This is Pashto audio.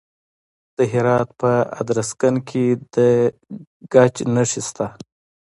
د هرات په ادرسکن کې د ګچ نښې شته.